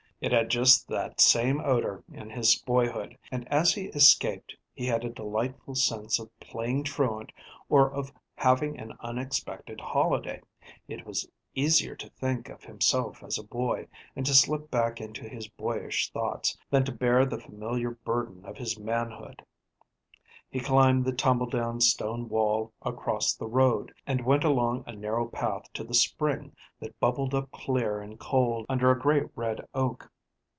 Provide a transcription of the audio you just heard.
It had just that same odor in his boyhood, and as he escaped he had a delightful sense of playing truant or of having an unexpected holiday. It was easier to think of himself as a boy, and to slip back into boyish thoughts, than to bear the familiar burden of his manhood. He climbed the tumble down stone wall across the road, and went along a narrow path to the spring that bubbled up clear and cold under a great red oak.